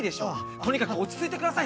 とにかく落ち着いてください！